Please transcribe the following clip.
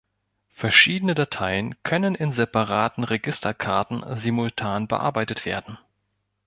Verschiedene Dateien können in separaten Registerkarten simultan bearbeitet werden.